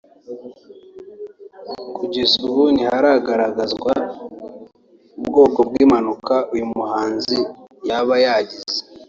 Kugeza ubu ntihagaragazwa ubwoko bw’impanuka uyu muhanzi yaba yagize